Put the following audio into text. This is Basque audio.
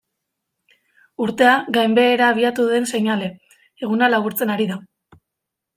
Urtea gainbehera abiatu den seinale, eguna laburtzen ari da.